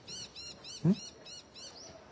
うん？